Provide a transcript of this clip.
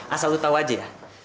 asal lu tau aja ya